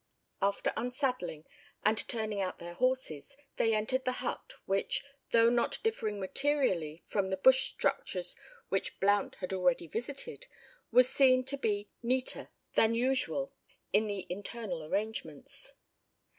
After unsaddling, and turning out their horses, they entered the hut, which, though not differing materially from the bush structures which Blount had already visited, was seen to be neater than usual in the internal arrangements.